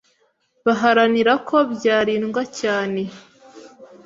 baharanira ko byarindwa cyane